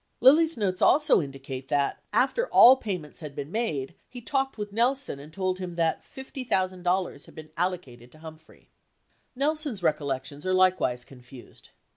Lilly's notes also indicate that, after all pay ments had been made, he talked with Nelson who told him that $50, 000 had been allocated to Humphrey. 44 Nelson's recollections are likewise confused.